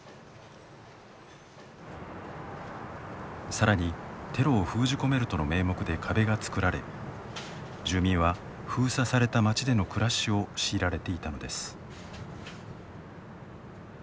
さらに、テロを封じ込めるとの名目で壁が造られ住民は封鎖された町での暮らしを強いられていたのです。